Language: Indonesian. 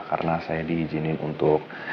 karena saya diizinin untuk